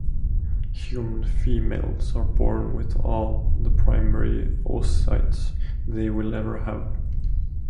Human females are born with all the primary oocytes they will ever have.